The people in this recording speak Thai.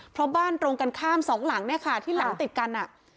เพราะบ้านตรงกันข้ามสองหลังเนี่ยค่ะที่หลังติดกันอ่ะ